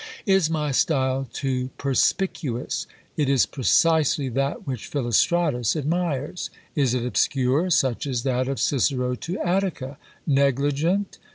Is my style too perspicuous? It is precisely that which Philostratus admires. Is it obscure? Such is that of Cicero to Attica. Negligent?